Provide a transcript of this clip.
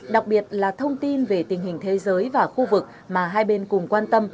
đặc biệt là thông tin về tình hình thế giới và khu vực mà hai bên cùng quan tâm